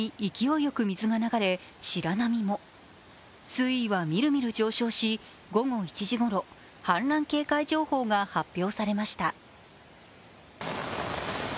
水位はみるみる上昇し、午後１時ごろ氾濫警戒情報が発表されました。